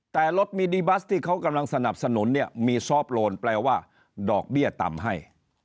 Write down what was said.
แต่รถมินิบัสที่เขากำลังสนับสนุนเนี่ยมีซอฟต์โลนแปลว่าดอกเบี้ยต่ำให้